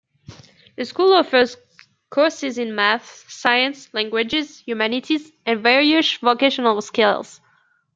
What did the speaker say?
The school offers courses in math, science, languages, humanities and various vocational skills.